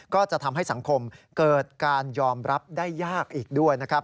ก็จะทำให้สังคมเกิดการยอมรับได้ยากอีกด้วยนะครับ